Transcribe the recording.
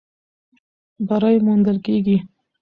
بری موندل کېږي.